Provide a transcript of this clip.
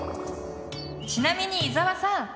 ちなみに伊沢さん！